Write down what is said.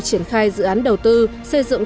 triển khai dự án đầu tư xây dựng